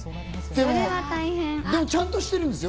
でもちゃんとしてるんですよ。